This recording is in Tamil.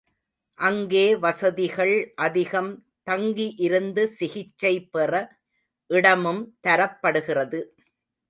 அங்கே வசதிகள் அதிகம் தங்கி இருந்து சிகிச்சை பெற இடமும் தரப்படுகிறது.